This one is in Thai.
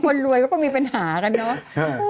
คนรวยก็ก็มีปัญหากันเนาะ